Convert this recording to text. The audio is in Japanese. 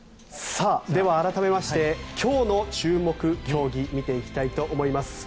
では、改めまして今日の注目競技を見ていきたいと思います。